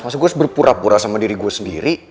maksudnya gue harus berpura pura sama diri gue sendiri